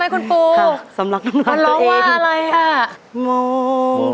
คุณปู่ครับสำรับน้ำลายตัวเอง